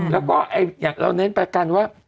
แล้วก็อย่างเราเน้นประกันว่า